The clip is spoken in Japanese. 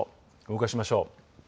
動かしましょう。